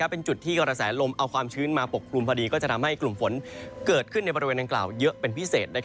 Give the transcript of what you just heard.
เป็นจุดที่กระแสลมเอาความชื้นมาปกคลุมพอดีก็จะทำให้กลุ่มฝนเกิดขึ้นในบริเวณดังกล่าวเยอะเป็นพิเศษ